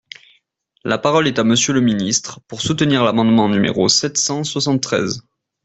La parole est à Monsieur le ministre, pour soutenir l’amendement numéro sept cent soixante-treize.